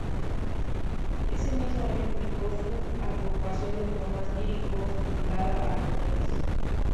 Ese mismo año publicó su agrupación de poemas líricos, titulada "Armonías".